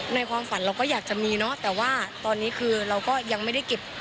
ความฝันเราก็อยากจะมีเนอะแต่ว่าตอนนี้คือเราก็ยังไม่ได้เก็บ